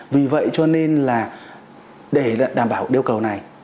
vì vậy cho nên là để đảm bảo yêu cầu này